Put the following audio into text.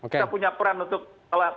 kita punya peran untuk